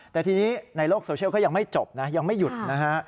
แต่ทีนี้ในโลกโซเชียลก็ยังไม่จบนะยังไม่หยุดนะฮะ